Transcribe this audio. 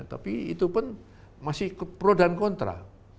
tapi itu pun masih pro dan kontra